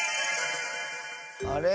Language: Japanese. あれ？